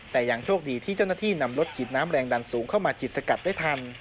แต่ยังโชคดีที่เจ้าหน้าที่นำรถฉีดน้ำแรงดันสูงเข้ามาฉีดสกัดได้ทัน